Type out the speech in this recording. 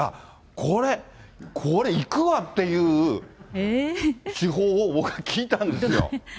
これ、これ、行くわっていう手法を、僕は聞いたんですよ。